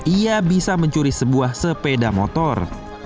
ia bisa mencuri sebuah sepeda motor